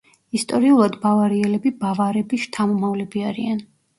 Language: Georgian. ისტორიულად ბავარიელები ბავარების შთამომავლები არიან.